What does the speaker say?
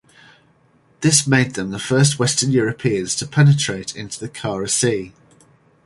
This made them the first Western Europeans to penetrate into the Kara Sea.